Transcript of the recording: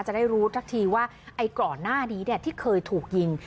จะได้รู้สักทีว่าไอ้ก่อนหน้านี้ที่เคยถูกยิง